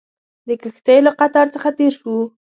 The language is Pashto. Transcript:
د کښتیو له قطار څخه تېر شوو.